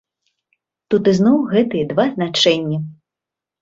Тут ізноў гэтыя два значэнні.